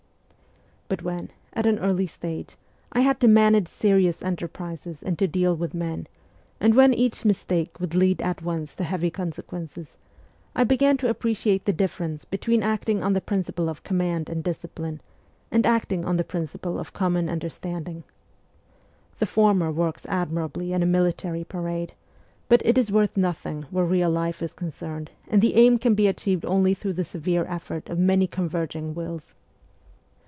But when, at an early stage, I had to manage serious enter SIBERIA 261 prises and to deal with men, and when each mistake would lead at once to heavy consequences, I began to appreciate the difference between acting on the princi ple of command and discipline, and acting on the prin ciple of common understanding. The former works admirably in a military parade, but it is worth nothing where real life is concerned and the aim can be achieved only through the severe effort of many converging wills.